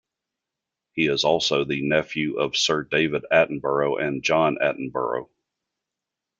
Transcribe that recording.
He is also the nephew of Sir David Attenborough and John Attenborough.